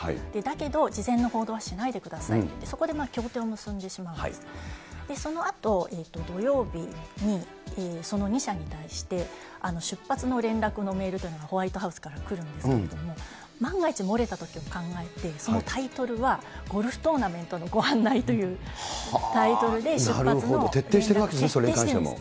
だけど事前の報道はしないでくださいといって、そこで協定を結んそのあとにその２社に対して、出発の連絡のメールというのがホワイトハウスから来るんですけれども、万が一、もれたときを考えて、そのタイトルはゴルフトーナメントのご案内というタイトルで出発徹底してるわけですね。